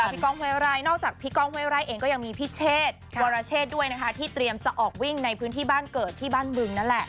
ก้องเวรัยนอกจากพี่ก้องเว้ไร่เองก็ยังมีพี่เชษวรเชษด้วยนะคะที่เตรียมจะออกวิ่งในพื้นที่บ้านเกิดที่บ้านบึงนั่นแหละ